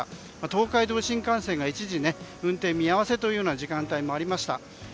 東海道新幹線が一時運転見合わせというような時間帯もありました。